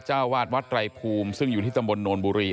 เจ้าวาดวัดไตรภูมิซึ่งอยู่ที่ตำบลโนนบุรี